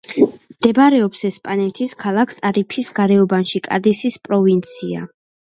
მდებარეობს ესპანეთის ქალაქ ტარიფის გარეუბანში კადისის პროვინცია.